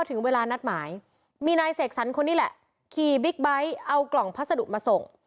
เอากล่องพัสดุมาส่ง